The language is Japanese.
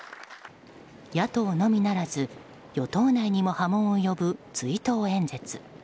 野党のみならず与党内にも波紋を呼ぶ追悼演説。